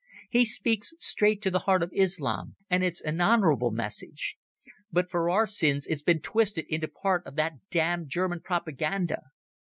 He speaks straight to the heart of Islam, and it's an honourable message. But for our sins it's been twisted into part of that damned German propaganda.